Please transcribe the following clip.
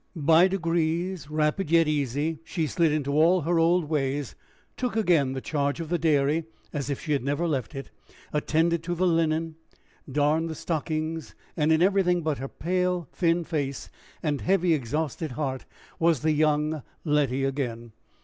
By degrees, rapid yet easy, she slid into all her old ways; took again the charge of the dairy as if she had never left it; attended to the linen; darned the stockings; and in everything but her pale, thin face, and heavy, exhausted heart, was the young Letty again.